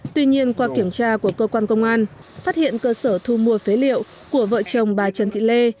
tuy nhiên qua kiểm tra của cơ quan công an phát hiện cơ sở thu mua phế liệu của vợ chồng bà trần thị lê